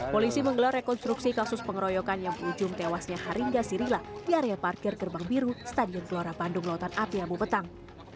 polisi menggelar rekonstruksi kasus pengeroyokan yang menunjukkan tewasnya haringga sirila di area parkir gerbang biru stadion gbla bandung